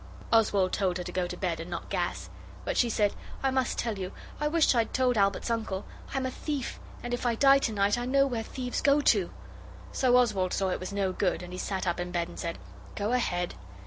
Oswald told her to go to bed and not gas. But she said, 'I must tell you; I wish I'd told Albert's uncle. I'm a thief, and if I die to night I know where thieves go to.' So Oswald saw it was no good and he sat up in bed and said 'Go ahead.